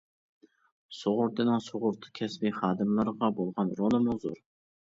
سۇغۇرتىنىڭ سۇغۇرتا كەسپى خادىملىرىغا بولغان رولىمۇ زور.